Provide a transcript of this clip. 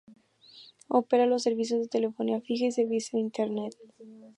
Opera los servicios de telefonía fija y servicio de internet.